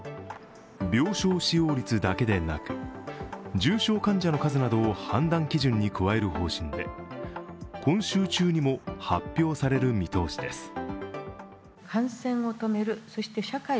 病床使用率だけでなく重症患者の数などを判断基準に加える方針で今週中にも発表される見通しです。